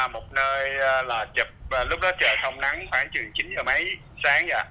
một nơi là chụp lúc đó trời không nắng khoảng chừng chín là mấy sáng